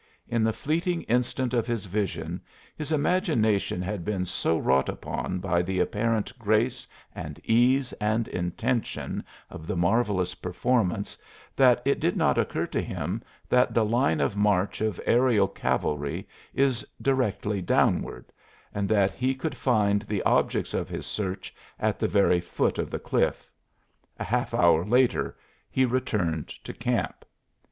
In the fleeting instant of his vision his imagination had been so wrought upon by the apparent grace and ease and intention of the marvelous performance that it did not occur to him that the line of march of aërial cavalry is directly downward, and that he could find the objects of his search at the very foot of the cliff. A half hour later he returned to camp.